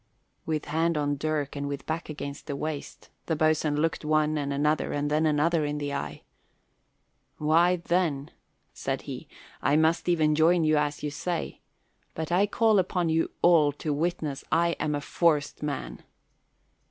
With hand on dirk and with back against the waist, the boatswain looked one and another and then another in the eye. "Why, then," said he, "I must even join you, as you say. But I call upon you all to witness I am a forced man."